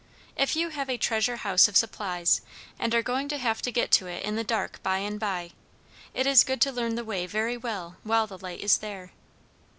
If you have a treasure house of supplies, and are going to have to get to it in the dark by and by, it is good to learn the way very well while the light is there.